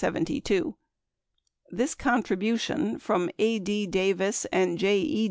72 This contribution from A. D. Davis and J. E.